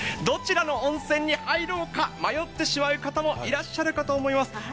どちらの温泉に入ろうか迷ってしまう方もいらっしゃるかと思います。